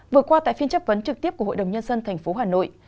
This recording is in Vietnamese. vừa qua tại phiên chất vấn trực tiếp của hội đồng nhân dân tp hà nội